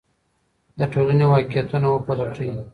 د ټولنې واقعیتونه وپلټئ.